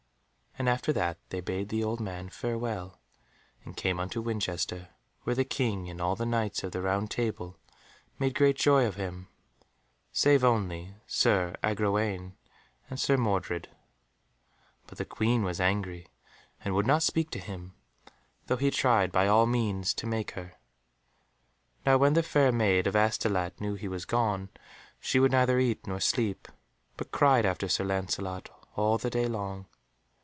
And after that they bade the old man farewell and came unto Winchester, where the King and all the Knights of the Round Table made great joy of him, save only Sir Agrawaine and Sir Mordred. But the Queen was angry and would not speak to him, though he tried by all means to make her. Now when the Fair Maid of Astolat knew he was gone, she would neither eat nor sleep, but cried after Sir Lancelot all the day long.